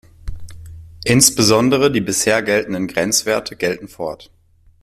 Insbesondere die bisher geltenden Grenzwerte gelten fort.